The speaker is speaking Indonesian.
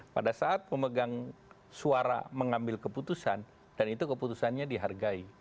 pada saat memegang suara mengambil keputusan dan itu keputusannya dihargai